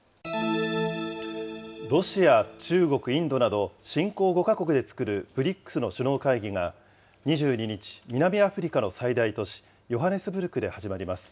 ロシア、中国、インドなど新興５か国で作るＢＲＩＣＳの首脳会議が、２２日、南アフリカの最大都市ヨハネスブルクで始まります。